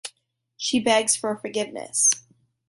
She begs for forgiveness.